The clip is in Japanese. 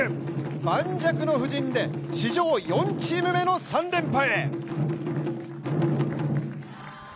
磐石の布陣で史上４チーム目の３連覇へ。